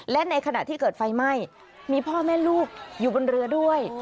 และในขณะที่เกิดไฟไหม้มีพ่อแม่ลูกอยู่บนเรือด้วย